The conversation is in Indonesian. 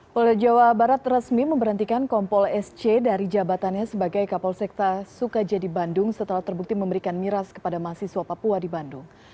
polda jawa barat resmi memberhentikan kompol sc dari jabatannya sebagai kapolsekta sukajadi bandung setelah terbukti memberikan miras kepada mahasiswa papua di bandung